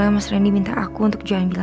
makasih banyak ya